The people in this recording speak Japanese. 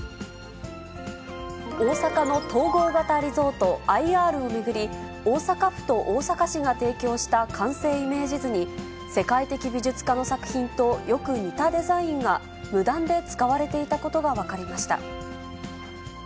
大阪の統合型リゾート・ＩＲを巡り、大阪府と大阪市が提供した完成イメージ図に、世界的美術家の作品とよく似たデザインが、無断で使われていたことが分かりました。